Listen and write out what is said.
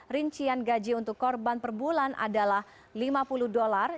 rincian gaji untuk korban per bulan adalah lima puluh dolar